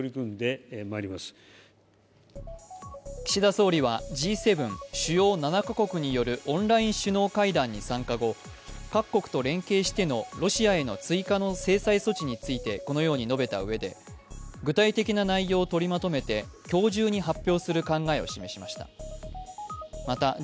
岸田総理はＧ７＝主要７カ国によるオンライン首脳会談に参加後各国と連携してのロシアへの追加の制裁措置についてこのように述べたうえで、具体的な内容を取りまとめて今日中に発表する考えを示しました。